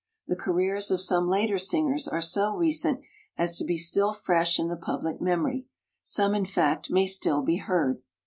The careers of some later singers are so recent as to be still fresh in the public memory; some in fact may still be he"ard.